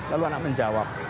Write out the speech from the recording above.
lalu anak menjawab